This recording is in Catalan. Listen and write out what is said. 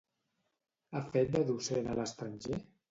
Ha fet de docent a l'estranger?